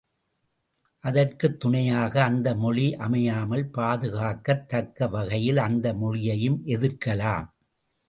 அதற்குத் துணையாக அந்த மொழி அமையாமல், பாதுகாக்கத் தக்க வகையில் அந்த மொழியையும் எதிர்க்கலாம்.